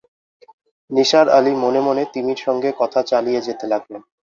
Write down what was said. নিসার আলি মনে-মনে তিমির সঙ্গে কথা চালিয়ে যেতে লাগলেন।